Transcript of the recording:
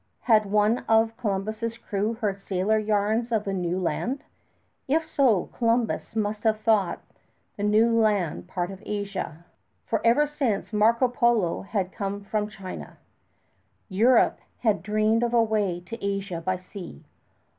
Had one of Columbus's crew heard sailor yarns of the new land? If so, Columbus must have thought the new land part of Asia; for ever since Marco Polo had come from China, Europe had dreamed of a way to Asia by the sea.